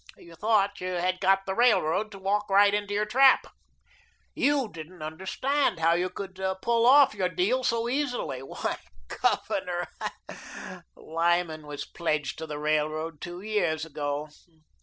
You thought you had got the Railroad to walk right into your trap. You didn't understand how you could pull off your deal so easily. Why, Governor, LYMAN WAS PLEDGED TO THE RAILROAD TWO YEARS AGO.